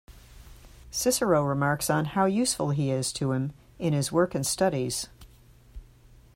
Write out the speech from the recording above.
Cicero remarks on how useful he is to him in his work and studies.